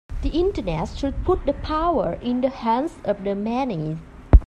The Internet should put the power in the hands of the many.